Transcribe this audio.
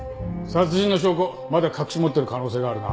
殺人の証拠まだ隠し持ってる可能性があるな。